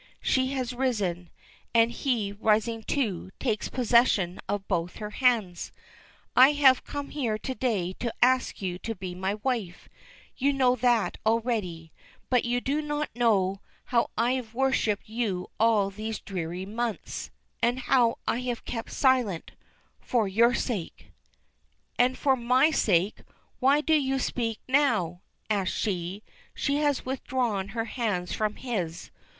She has risen, and he, rising too, takes possession of both her hands. "I have come here to day to ask you to be my wife; you know that already but you do not know how I have worshiped you all these dreary months, and how I have kept silent for your sake." "And for 'my sake' why do you speak now?" asks she. She has withdrawn her hands from his.